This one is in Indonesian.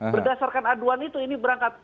berdasarkan aduan itu ini berangkat